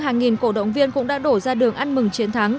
hàng nghìn cổ động viên cũng đã đổ ra đường ăn mừng chiến thắng